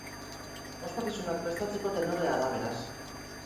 Ospakizunak prestatzeko tenorea da, beraz.